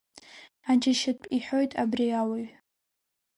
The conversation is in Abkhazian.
Аџьашьатә иҳәоит абри ауаҩ!